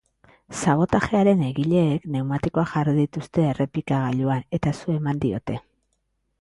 Sabotajearen egileek pneumatikoak jarri dituzte errepikagailuan eta su eman diote.